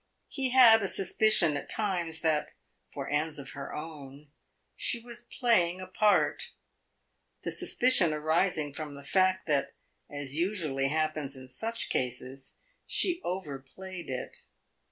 He had a suspicion at times that, for ends of her own, she was playing a part the suspicion arising from the fact that, as usually happens in such cases, she over played it.